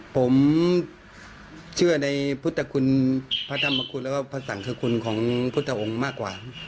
ผมเชื่อในพุทธคุณพระธรรมคุณแล้วก็พระสังคคุณของพุทธองค์มากกว่า